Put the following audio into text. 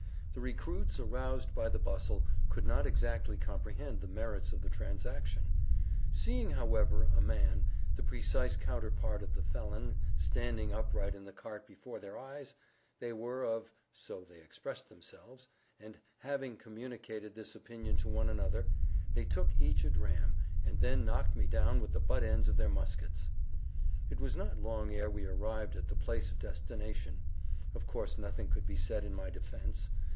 The recruits, aroused by the bustle, could not exactly comprehend the merits of the transaction. Seeing, however, a man, the precise counterpart of the felon, standing upright in the cart before their eyes, they were of the opinion that the rascal (meaning W——) was after making his escape, (so they expressed themselves), and, having communicated this opinion to one another, they took each a dram, and then knocked me down with the butt ends of their muskets. It was not long ere we arrived at the place of destination. Of course nothing could be said in my defence.